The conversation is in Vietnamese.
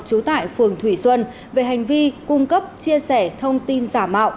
trú tại phường thủy xuân về hành vi cung cấp chia sẻ thông tin giả mạo